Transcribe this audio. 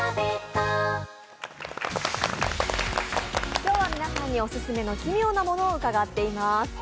今日は皆さんにオススメの奇妙なものを伺っています。